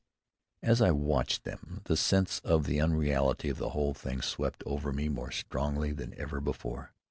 As I watched them, the sense of the unreality of the whole thing swept over me more strongly than ever before.